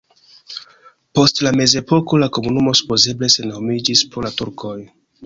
Post la mezepoko la komunumo supozeble senhomiĝis pro la turkoj.